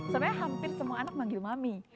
sebenarnya hampir semua anak manggil mami